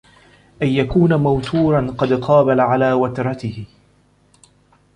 أَنْ يَكُونَ مَوْتُورًا قَدْ قَابَلَ عَلَى وَتْرَتِهِ